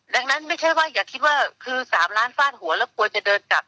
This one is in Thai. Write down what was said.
ดังนั้นไม่ใช่ว่าอย่าคิดว่าคือ๓ล้านฟาดหัวแล้วกลัวจะเดินกลับ